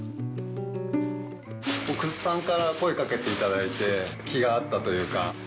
奥津さんから声かけて頂いて気が合ったというか。